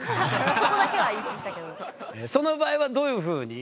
その場合はどういうふうに？